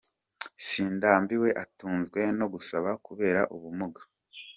Sindambiwe atunzwe no gusaba kubera ubumuga.